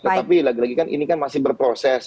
tetapi lagi lagi kan ini kan masih berproses